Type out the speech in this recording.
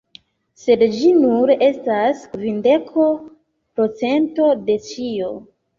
Sed ĝi nur estas kvindeko procento de ĉio